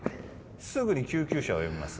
すぐに救急車を呼びます。